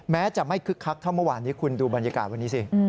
แม้จะไม่คึกคักเท่าเมื่อวานนี้คุณดูบรรยากาศวันนี้สิ